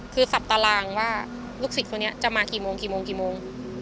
คือสับตารางว่าลูกศิษย์คนนี้จะมากี่โมง